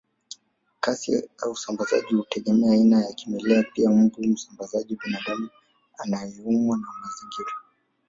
Kasi ya usambazaji hutegemea aina ya kimelea pia mbu msambazaji binadamu anayeumwa na mazingira